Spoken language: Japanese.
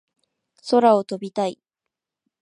空を飛びたい